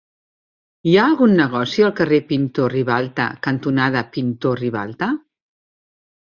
Hi ha algun negoci al carrer Pintor Ribalta cantonada Pintor Ribalta?